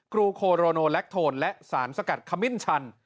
ครูโคโรโนแลคโทนและสารสกัดขมิ้นชัน